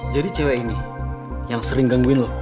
jadi cewek ini yang sering gangguin lo